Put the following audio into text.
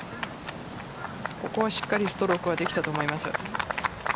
ここは、しっかりストロークできたと思います。